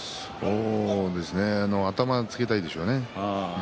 頭をつけたいでしょうね。